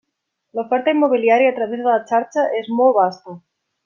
L'oferta immobiliària a través de la xarxa és molt vasta.